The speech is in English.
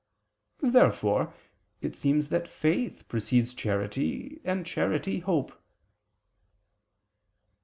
Therefore it seems that faith precedes charity, and charity hope.